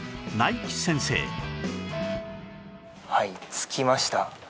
着きました。